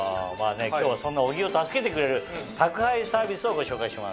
今日はそんな小木を助けてくれる宅配サービスをご紹介します。